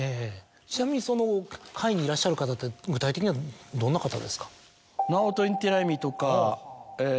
ちなみにその会にいらっしゃる方って具体的にはどんな方ですか？